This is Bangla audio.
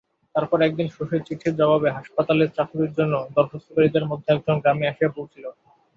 তারপর একদিন শশীর চিঠির জবাবে হাসপাতালের চাকরির জন্য দরখাস্তকারীদের মধ্যে একজন গ্রামে আসিয়া পৌছিল।